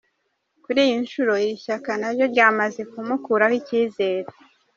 Kuri iyi nshuro iri shyaka naryo ryamaze kumukuraho icyizere.